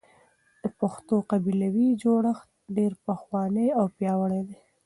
د پښتنو قبيلوي جوړښت ډېر پخوانی او پياوړی دی.